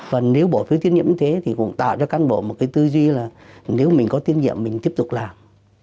và nếu bỏ phiếu tín nhiệm như thế thì cũng tạo cho căn bộ một cái tư duy là nếu mình có tín nhiệm mình tiếp tục làm